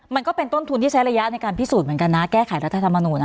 มันก็เป็นต้นทุนที่ใช้ระยะในการพิสูจน์เหมือนกันนะแก้ไขรัฐธรรมนูญ